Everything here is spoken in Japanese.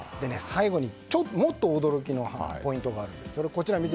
最後にもっと驚きのポイントがあります。